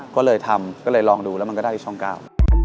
ก็เลยทำก็เลยลองดูแล้วมันก็ได้ช่องเก้า